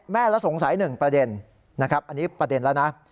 แม่ละสงสัยหนึ่งประเด็นอันนี้ประเด็นแล้วนะ